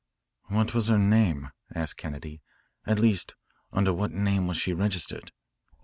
"What was her name?" asked Kennedy. "At least, under what name was she registered?